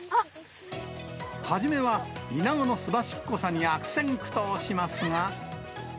初めはイナゴのすばしっこさに悪戦苦闘しますが。